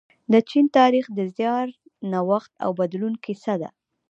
د چین تاریخ د زیار، نوښت او بدلون کیسه ده.